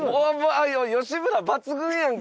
あっ吉村抜群やんか！